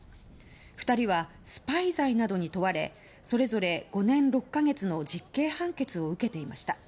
２人はスパイ罪などに問われそれぞれ５年６か月の実刑判決を受けていました。